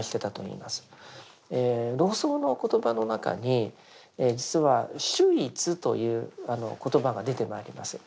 老荘の言葉の中に実は「守一」という言葉が出てまいります。